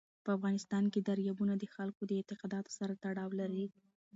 په افغانستان کې دریابونه د خلکو د اعتقاداتو سره تړاو لري.